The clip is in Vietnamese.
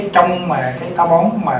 trong táo bón